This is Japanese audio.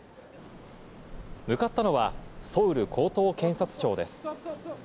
向かったのは、ソウル高等検察庁です。